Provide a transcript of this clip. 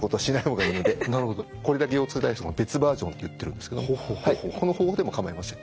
「これだけ腰痛体操」の別バージョンって言ってるんですけどこの方法でも構いません。